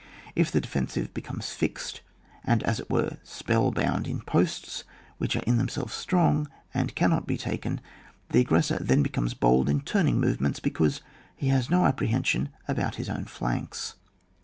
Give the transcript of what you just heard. If the defensive becomes fixed, and as it were, enpell boimd in posts, which are in themselves strong, and can not be taken, the aggressor then becomes bold in turning movements, because he has no apprehen sion about his own flanks.